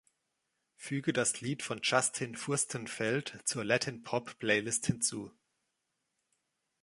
Füge das Lied von Justin Furstenfeld zur Latin-Pop-Playlist hinzu.